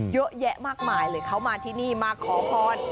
เยอะแยะมากมายเลยเขามาที่นี่มาขอพร